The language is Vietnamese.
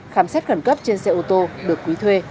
khám xét khẩn cấp trên xe ô tô được quý thuê